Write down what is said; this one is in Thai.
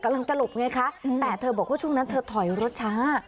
กำลังจะหลบไงคะแต่เธอบอกว่าช่วงนั้นเธอถอยรถช้า